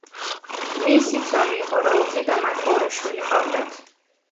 მის ცოლი იყო როუზი და მათ ორი შვილი ჰყავდათ.